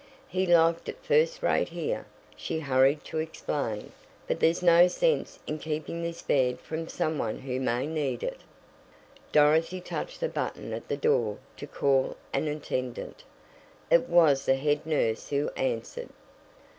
He liked it first rate here," she hurried to explain, "but there's no sense in keeping this bed from some one who may need it." Dorothy touched the button at the door to call an attendant. It was the head nurse who answered.